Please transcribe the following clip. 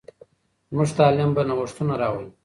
زموږ تعلیم به نوښتونه راولي.